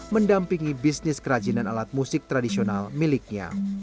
mendampingi bisnis kerajinan alat musik tradisional miliknya